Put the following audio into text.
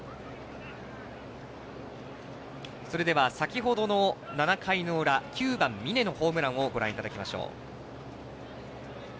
それでは先ほどの７回の裏９番、峯のホームランをご覧いただきましょう。